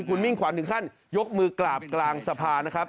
คุณมิ่งขวัญถึงขั้นยกมือกราบกลางสภานะครับ